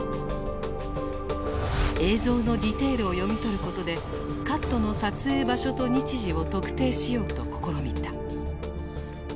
映像のディテールを読み取ることでカットの撮影場所と日時を特定しようと試みた。